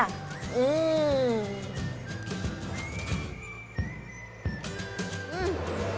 di dalamnya pun melimpa